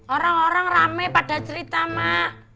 orang orang rame pada cerita mak